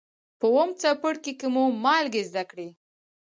په اووم څپرکي کې مو مالګې زده کړې.